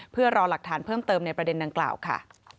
เพื่อรอหลักฐานเพิ่มเติมในประเด็นดังกล่าวค่ะ